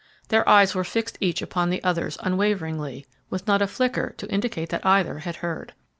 Their eyes were fixed each upon the others unwaveringly, with not a flicker to indicate that either had heard.